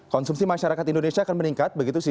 konsumsi masyarakat indonesia akan meningkat